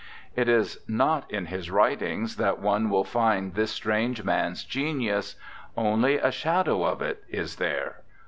It is not in his writings that one will find this strange man's genius; only a shadow of it is there.